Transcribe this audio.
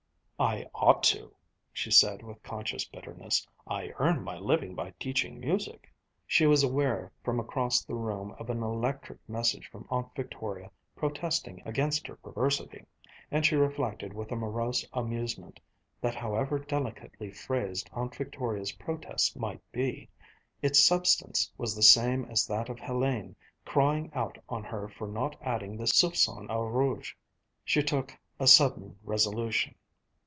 "I ought to," she said with conscious bitterness. "I earn my living by teaching music." She was aware from across the room of an electric message from Aunt Victoria protesting against her perversity; and she reflected with a morose amusement that however delicately phrased Aunt Victoria's protests might be, its substance was the same as that of Hélène, crying out on her for not adding the soupçon of rouge. She took a sudden resolution.